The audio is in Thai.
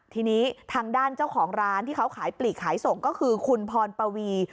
ทีนี้ทางด้านเจ้าของร้านที่เขาขายปลีกขายส่งก็คือคุณพรปวี